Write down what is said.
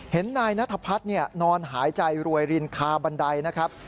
นายนัทพัฒน์นอนหายใจรวยรินคาบันไดนะครับ